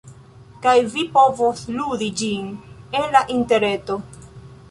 kaj vi povos ludi ĝin en la interreto.